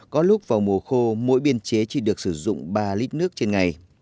có lúc vào mùa khô mỗi biên chế chỉ được sử dụng ba lít nước trên ngày